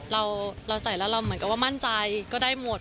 เราใส่แล้วเราเหมือนกับว่ามั่นใจก็ได้หมด